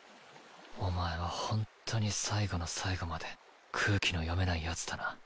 お前はホントに最後の最後まで空気の読めないヤツだな。